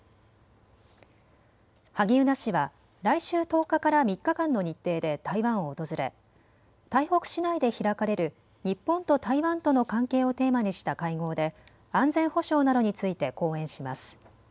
萩生田氏は来週１０日から３日間の日程で台湾を訪れ台北市内で開かれる日本と台湾との関係をテーマにした会合で安全保障などについて講演します。